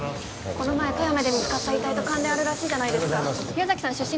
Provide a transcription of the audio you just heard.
この前富山で見つかった遺体と関連あるらしいじゃないですか宮崎さん出身